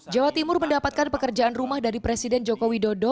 jawa timur mendapatkan pekerjaan rumah dari presiden joko widodo